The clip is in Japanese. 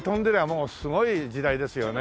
もうすごい時代ですよね。